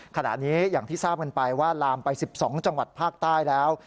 ขณะนี้อย่างที่ทราบกันไปว่าลามไป๑๒จังหวัดภาคใต้แล้ว